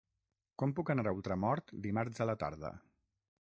Com puc anar a Ultramort dimarts a la tarda?